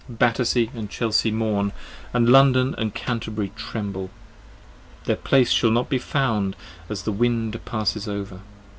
Battersea & Chelsea mourn, London & Canterbury tremble, Their place shall not be found as the wind passes over.